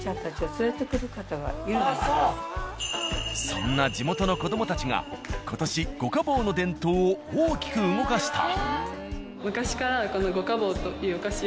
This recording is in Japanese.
そんな地元の子どもたちが今年御家寶の伝統を大きく動かした。